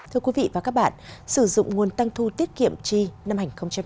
thưa quý vị và các bạn sử dụng nguồn tăng thu tiết kiệm chi năm hai nghìn hai mươi